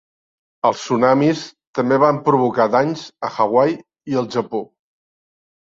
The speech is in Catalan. Els tsunamis també van provocar danys a Hawaii i el Japó.